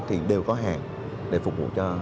thì đều có hàng để phục vụ cho